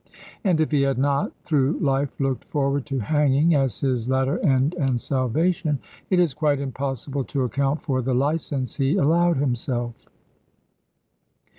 And if he had not, through life, looked forward to hanging as his latter end and salvation, it is quite impossible to account for the licence he allowed himself.